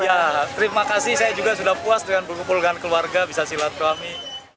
ya terima kasih saya juga sudah puas dengan berkumpul dengan keluarga bisa silaturahmi